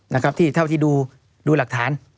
นะครับที่เท่าที่ดูหลักฐาน